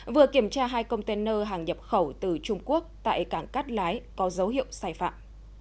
vừa kiểm tra hai container hàng nhập khẩu từ trung quốc tại cảng cát lái có dấu hiệu sai phạm